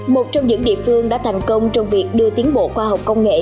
một trong những địa phương đã thành công trong việc đưa tiến bộ khoa học công nghệ